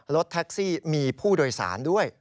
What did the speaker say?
รถแท็กซี่มีผู้โดยสารด้วย